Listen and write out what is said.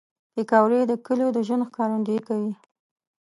پکورې د کلیو د ژوند ښکارندویي کوي